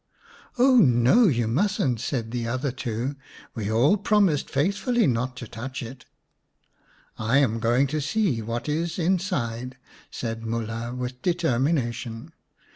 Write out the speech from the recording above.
" Oh no, you mustn't," said the other two ; "we all promised faithfully not to touch it." " I am going to see what is inside," said Mulha with determination.